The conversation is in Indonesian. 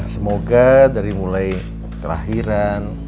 semoga dari mulai kelahiran